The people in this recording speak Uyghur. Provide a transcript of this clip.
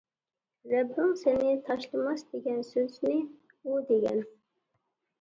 رەببىڭ سېنى تاشلىماس، دېگەن سۆزنى ئۇ دېگەن.